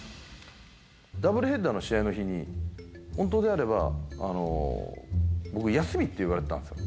ダブルヘッダーの試合の日に、本当であれば、僕、休みっていわれてたんですよ。